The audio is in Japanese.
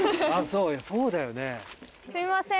そうだよね。